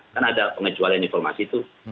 kan ada pengecualian informasi itu